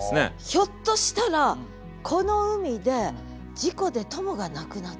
ひょっとしたらこの海で事故で友が亡くなったとか。